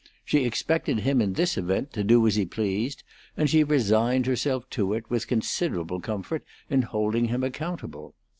She expected him in this event to do as he pleased, and she resigned herself to it with considerable comfort in holding him accountable.